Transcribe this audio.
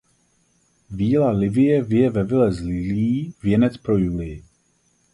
Víla Livie vije ve vile z lilií věnec pro Julii.